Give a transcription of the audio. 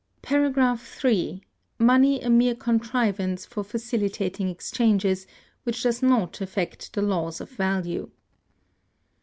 § 3. Money a mere contrivance for facilitating exchanges, which does not affect the laws of value.